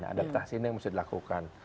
adaptasi ini yang mesti dilakukan